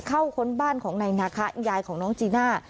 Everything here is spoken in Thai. ค้นบ้านของนายนาคะยายของน้องจีน่า